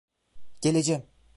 Geleceğim.